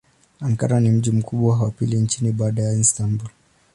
Ankara ni mji mkubwa wa pili nchini baada ya Istanbul.